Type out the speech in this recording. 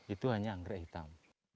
itu hanya anggrek hitam